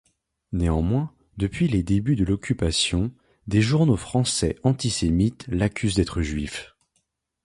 Néanmoins, depuis les débuts de l'Occupation, des journaux français antisémites l'accusent d'être juif.